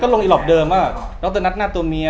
ก็ลงอีหลอบเดิมว่าเราต้องนัดหน้าตัวเมีย